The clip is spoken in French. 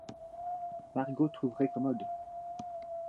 Margot trouverait commode